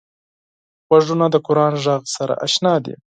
غوږونه د قران غږ سره اشنا دي